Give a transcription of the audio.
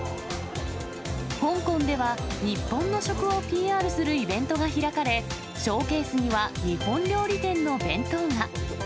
香港では、日本の食をＰＲするイベントが開かれ、ショーケースには日本料理店の弁当が。